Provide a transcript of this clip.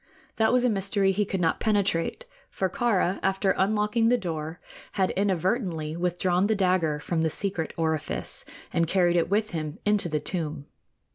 That was a mystery he could not penetrate; for Kāra, after unlocking the door, had inadvertently withdrawn the dagger from the secret orifice and carried it with him into the tomb.